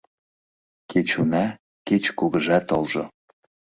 Кеч уна, кеч кугыжа толжо.